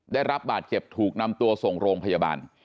ได้รับบาดเจ็บถูกนำตัวส่งโรงพยาบาล